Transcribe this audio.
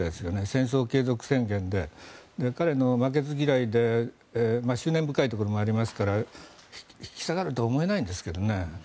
戦争継続宣言で彼は負けず嫌いで執念深いところもありますから引き下がるとは思えないですけどね。